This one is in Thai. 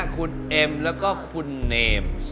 คุณเอ็มแล้วก็คุณเนม